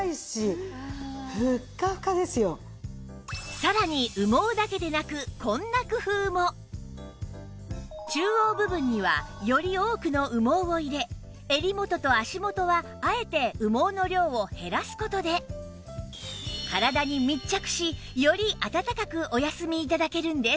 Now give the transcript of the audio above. さらに中央部分にはより多くの羽毛を入れ襟元と足元はあえて羽毛の量を減らす事で体に密着しよりあたたかくお休み頂けるんです